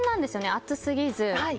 熱すぎず。